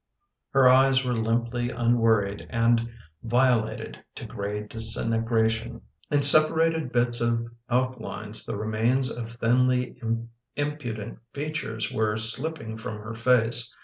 Her eyes were limply unworried and vio lated to gray disintegration. In separated bits of outlines the remains of thinly impudent features were slipping from her face.